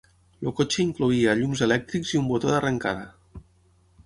El cotxe incloïa llums elèctrics i un boto d'arrencada.